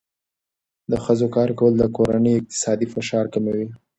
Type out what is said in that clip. د ښځو کار کول د کورنۍ اقتصادي فشار کموي.